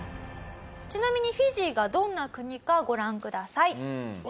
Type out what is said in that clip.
ちなみにフィジーがどんな国かご覧ください。